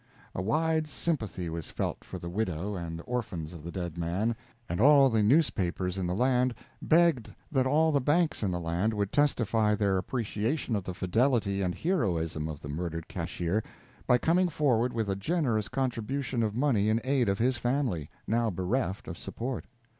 A wide sympathy was felt for the widow and orphans of the dead man, and all the newspapers in the land begged that all the banks in the land would testify their appreciation of the fidelity and heroism of the murdered cashier by coming forward with a generous contribution of money in aid of his family, now bereft of support.